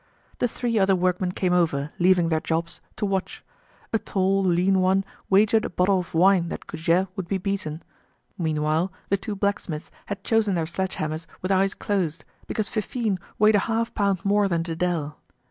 The three other workmen came over, leaving their jobs, to watch. A tall, lean one wagered a bottle of wine that Goujet would be beaten. Meanwhile the two blacksmiths had chosen their sledge hammers with eyes closed, because Fifine weighed a half pound more than Dedele.